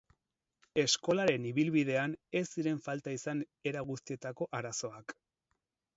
Eskolaren ibilbidean ez ziren falta izan era guztietako arazoak.